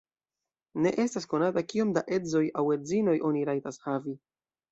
Ne estas konata kiom da edzoj aŭ edzinoj oni rajtas havi.